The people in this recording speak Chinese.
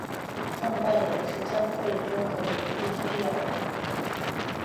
创办人是詹慧君与林庭妃两人。